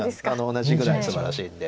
同じぐらいすばらしいんで。